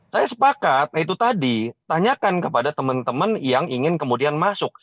saya sepakat itu tadi tanyakan kepada teman teman yang ingin kemudian masuk